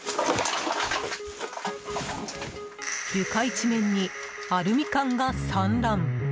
床一面にアルミ缶が散乱。